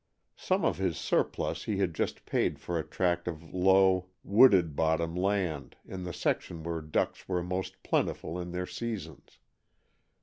Some of his surplus he had just paid for a tract of low, wooded bottom land, in the section where ducks were most plentiful in their seasons.